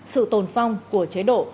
sự tồn phong của chế độ